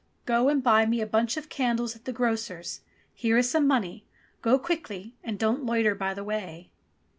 go and buy me a bunch of candles at the grocer's. Here is some money ; go quickly, and don't loiter by the way."